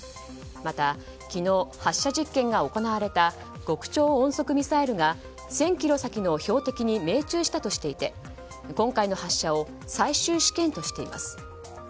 また昨日、発射実験が行われた極超音速ミサイルが１０００ｋｍ先の標的に命中したとしていて今回の発射を最終試験としています。